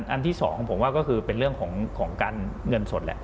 อันที่สองของผมว่าก็คือเป็นเรื่องของการเงินสดแหละ